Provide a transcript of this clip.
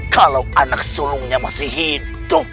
kalau anak sulungnya masih hidup